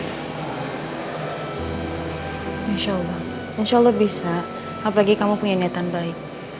insya allah insya allah bisa apalagi kamu punya niatan baik